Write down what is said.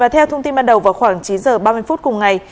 theo thông tin ban đầu vào khoảng chín h ba mươi phút cùng ngày